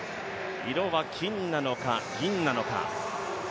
色は金なのか、銀なのか。